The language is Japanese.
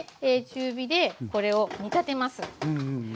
中火でこれを煮立てます。